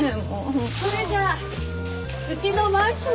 それじゃあうちのマンションでもよくてよ。